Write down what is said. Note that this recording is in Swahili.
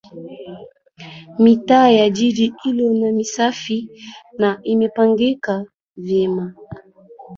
Mitaa ya jiji hilo ni misafi na imepangika vyema